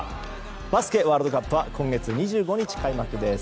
バスケワールドカップは今月２５日開幕です。